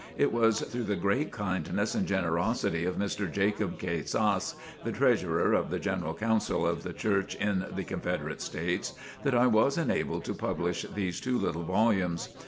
It was through the great kindness and generosity of Mr. Jacob K. Sass, the treasurer of the General Council of the Church in the Confederate States, that I was enabled to publish these two little volumes.